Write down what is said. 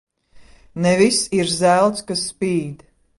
Ne viss ir zelts, kas spīd.